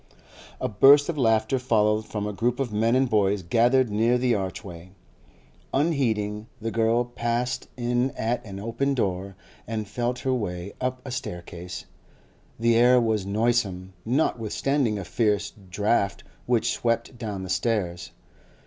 A burst of laughter followed from a group of men and boys gathered near the archway. Unheeding, the girl passed in at an open door and felt her way up a staircase; the air was noisome, notwithstanding a fierce draught which swept down the stairs.